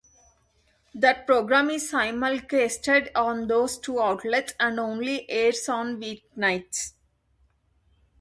That program is simulcasted on those two outlets and only airs on weeknights.